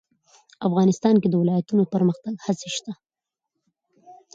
افغانستان کې د ولایتونو د پرمختګ هڅې شته.